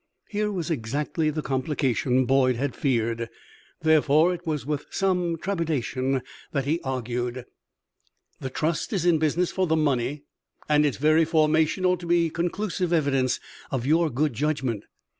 Here was exactly the complication Boyd had feared; therefore, it was with some trepidation that he argued: "The trust is in business for the money, and its very formation ought to be conclusive evidence of your good judgment.